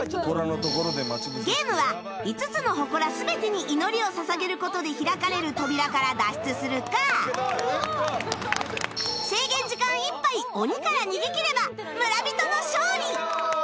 ゲームは５つの祠全てに祈りを捧げる事で開かれる扉から脱出するか制限時間いっぱい鬼から逃げきれば村人の勝利！